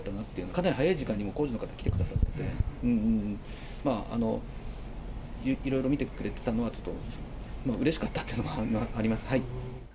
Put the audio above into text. かなり早い時間に工事の方来てくださって、いろいろ見てくれてたのが、うれしかったっていうのはあります。